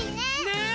ねえ！